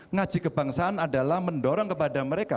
ngaji kebangsaan adalah mendorong kepada mereka